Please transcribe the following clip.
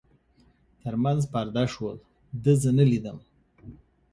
تر منځ پرده شول، ده زه نه لیدم.